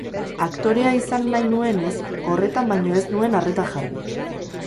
Aktorea izan nahi nuenez, horretan baino ez nuen arreta jarri.